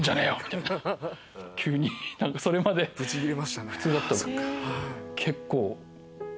急にそれまで普通だったのに。